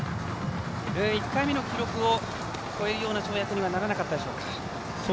１回目の記録を超えるような跳躍にはならなかったでしょうか。